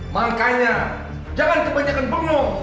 makanya jangan kebanyakan bengong